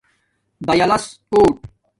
دایلس کوٹ